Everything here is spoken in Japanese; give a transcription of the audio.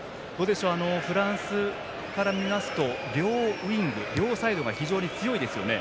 フランスから見ますと両ウイング両サイドが非常に強いですよね。